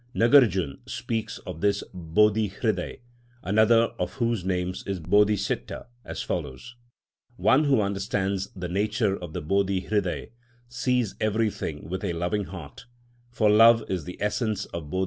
Nâgârjuna speaks of this Bodhi hridaya (another of whose names is Bodhi Citta) as follows: One who understands the nature of the Bodhi hridaya, sees everything with a loving heart; for love is the essence of Bodhi hridaya.